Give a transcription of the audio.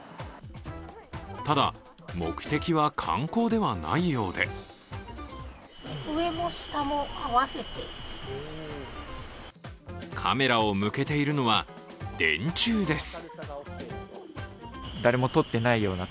ただ、目的は観光ではないようでカメラを向けているのは電柱です。